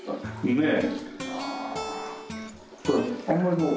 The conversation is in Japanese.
ねえ。